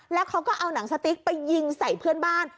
แล้วเขาก็เอาหนังสติ๊กไปยิงใส่เพื่อนบ้าน